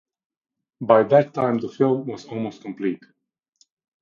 By that time the film was almost complete.